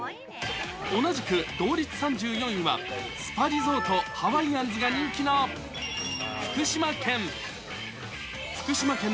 同じく同率３４位は、スパリゾートハワイアンズが人気の福島県。